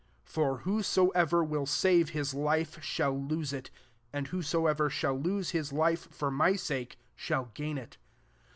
25 For whosoever will save his life, shall lose it : aad whosoever shall lose his life, for my sake, shall gain it.